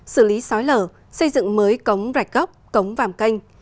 xử lý xói lở xây dựng mới cống rạch góc cống vàm canh